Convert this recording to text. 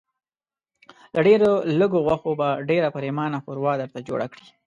له ډېرو لږو غوښو به ډېره پرېمانه ښوروا درته جوړه کړي.